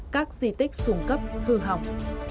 các di tích xuống cấp hư hỏng